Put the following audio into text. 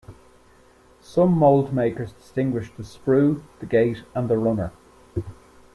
Some moldmakers distinguish the sprue, the gate, and the runner.